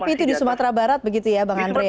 tapi itu di sumatera barat begitu ya